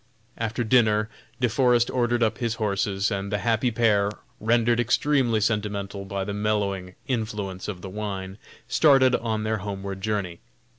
After dinner De Forest ordered up his horses, and the happy pair, rendered extremely sentimental by the mellowing influence of the wine, started on their homeward journey.